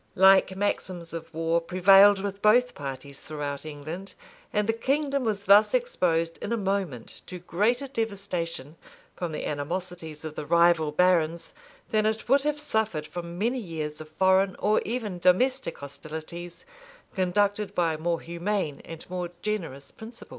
Like maxims of war prevailed with both parties throughout England; and the kingdom was thus exposed in a moment to greater devastation, from the animosities of the rival barons, than it would have suffered from many years of foreign or even domestic hostilities, conducted by more humane and more generous principles.